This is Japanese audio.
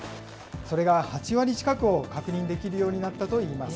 それが８割近くを確認できるようになったといいます。